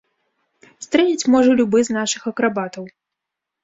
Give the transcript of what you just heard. Стрэліць можа любы з нашых акрабатаў.